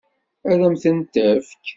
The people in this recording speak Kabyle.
Ad m-ten-tefk?